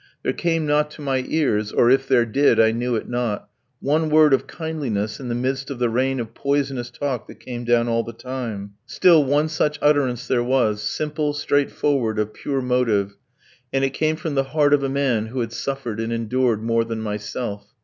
There came not to my ears (or if there did I knew it not) one word of kindliness in the midst of the rain of poisonous talk that came down all the time. Still one such utterance there was, simple, straightforward, of pure motive, and it came from the heart of a man who had suffered and endured more than myself.